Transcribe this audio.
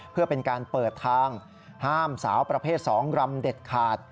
เพื่อเป็นการเปิดทางห้ามสาวประเภท๒รำเด็ดขาด